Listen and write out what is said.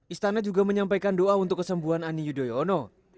istana juga menyampaikan doa untuk kesembuhan ani yudhoyono